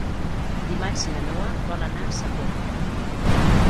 Dimarts na Noa vol anar a Sa Pobla.